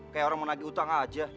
kayak orang mau nagih utang aja